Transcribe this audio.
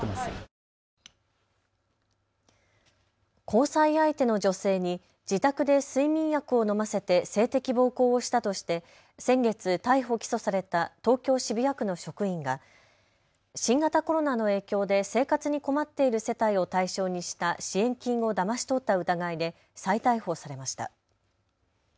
交際相手の女性に自宅で睡眠薬を飲ませて性的暴行をしたとして先月、逮捕・起訴された東京渋谷区の職員が新型コロナの影響で生活に困っている世帯を対象にした支援金をだまし取った疑いで再逮捕されました。